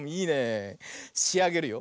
しあげるよ。